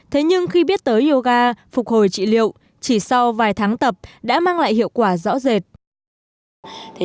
thế nhưng khi biết tới yoga phục hồi trị liệu chỉ sau vài tháng tập đã mang lại hiệu quả rõ rệt